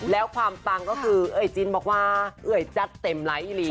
แล้วความปังก็คือเอ่ยจินบอกว่าเอ่ยจัดเต็มไร้อีหลี